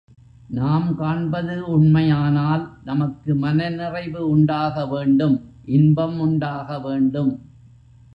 நாம் காண்பது உண்மையானால் நமக்கு மனநிறைவு உண்டாக வேண்டும் இன்பம் உண்டாக வேண்டும்.